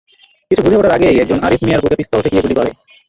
কিছু বুঝে ওঠার আগেই একজন আরিফ মিয়ার বুকে পিস্তল ঠেকিয়ে গুলি করে।